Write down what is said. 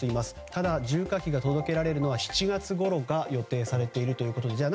ただ、重火器が届けられるのは７月ごろが予定されているというところでじゃあ